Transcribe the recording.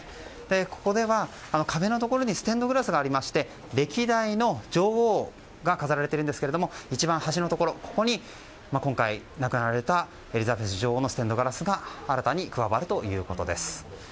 ここでは、壁のところにステンドグラスがありまして歴代の女王が飾られているんですが一番端のところに今回、亡くなられたエリザベス女王のステンドグラスが新たに加わるということです。